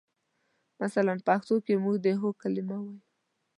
مثلاً پښتو کې موږ د هو کلمه وایو.